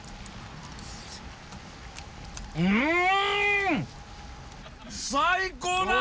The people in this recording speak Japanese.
うん！